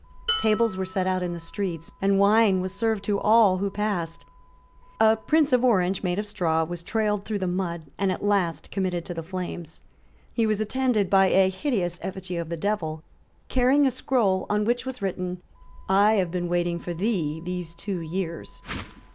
Tables were set out in the streets; and wine was served to all who passed. A Prince of Orange, made of straw, was trailed through the mud, and at last committed to the flames. He was attended by a hideous effigy of the devil, carrying a scroll, on which was written, "I have been waiting for thee these two years."